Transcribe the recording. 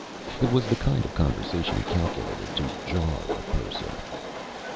It was the kind of Conversation calculated to Jar a Person.